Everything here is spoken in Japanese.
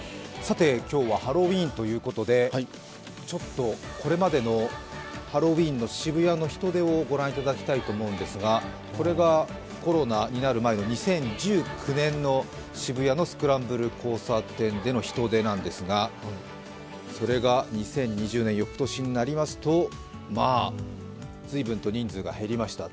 今日はハロウィーンということで、これまでのハロウィーンの渋谷の人出をご覧いただきたいと思うんですが、これがコロナになる前の２０１９年の渋谷のスクランブル交差点での人出なんですがそれが２０２０年、翌年になりますとずいぶんと人数が減りました。